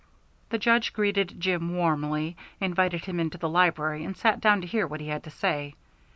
The Judge greeted Jim warmly, invited him into the library, and sat down to hear what he had to say.